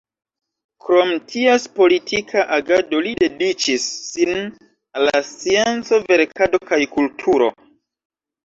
Krom ties politika agado, li dediĉis sin al la scienco, verkado kaj kulturo.